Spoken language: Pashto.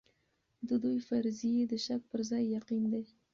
د دوی فرضيې د شک پر ځای يقين دي.